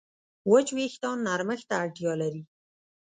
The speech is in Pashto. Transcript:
وچ وېښتيان نرمښت ته اړتیا لري.